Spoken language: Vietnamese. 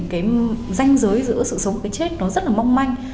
cái danh giới giữa sự sống và cái chết nó rất là mong manh